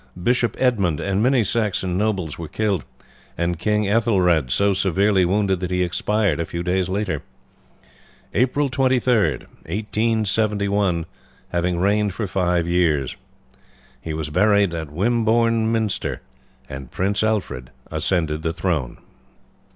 Bishop Edmund and many Saxon nobles were killed, and King Ethelred so severely wounded that he expired a few days later, April 23rd, 871, having reigned for five years. He was buried at Wimbourne Minster, and Prince Alfred ascended the throne.